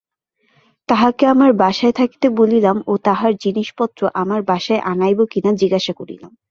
তাঁহাকে আমার বাসায় থাকিতে বলিলাম ও তাঁহার জিনিষপত্র আমার বাসায় আনাইব কিনা জিজ্ঞাসা করিলাম।